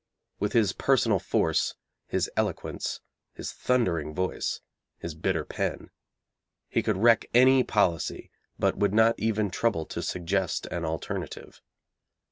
With his personal force, his eloquence, his thundering voice, his bitter pen, he could wreck any policy, but would not even trouble to suggest an alternative.